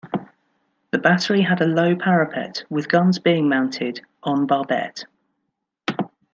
The battery had a low parapet, with guns being mounted "en barbette".